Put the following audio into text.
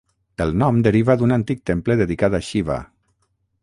El nom deriva d'un antic temple dedicat a Xiva.